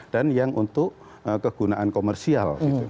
dan yang untuk kegunaan komersial